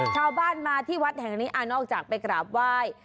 ชาวบ้านมาที่วัดแห่งนี้นอกจากไปกราบไหว้